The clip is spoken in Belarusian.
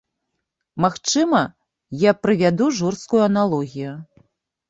Магчыма, я прывяду жорсткую аналогію.